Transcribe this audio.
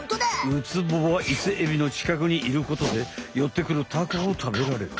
ウツボはイセエビのちかくにいることでよってくるタコを食べられる。